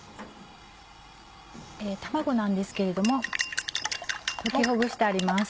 卵なんですけれども溶きほぐしてあります。